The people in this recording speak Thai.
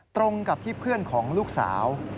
ตรงกับที่เพื่อนของลูกสาว